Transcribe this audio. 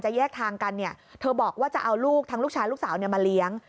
แยกทางกันเนี่ยเธอบอกว่าจะเอาลูกทั้งลูกชายลูกสาวมาเลี้ยง